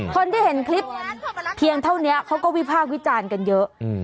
คนที่เห็นคลิปเพียงเท่านี้เขาก็วิพากษ์วิจารณ์กันเยอะ